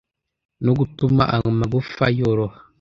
no gutuma amagufa yoroha.